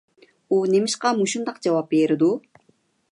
ئۇ نېمىشقا مۇشۇنداق جاۋاب بېرىدۇ؟